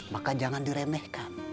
maka jangan diremehkan